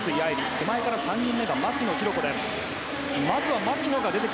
手前から３人目が牧野紘子です。